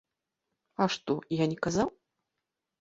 А што, я не казаў?